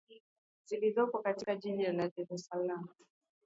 zilizopo katika Jiji la Dar es Salaam